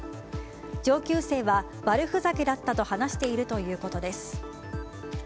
上級生は悪ふざけだったと話しているということです。